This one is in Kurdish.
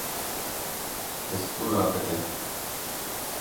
Destûrê bide.